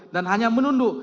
dan hanya menunduk